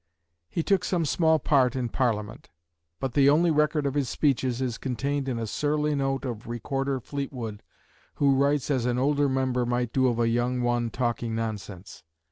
He took some small part in Parliament; but the only record of his speeches is contained in a surly note of Recorder Fleetwood, who writes as an old member might do of a young one talking nonsense.